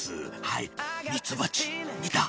はいミツバチ見た？